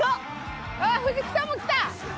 藤木さんも来た！